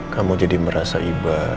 kamu jadi merasa ibah